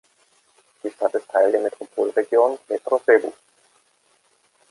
Die Stadt ist Teil der Metropolregion Metro Cebu.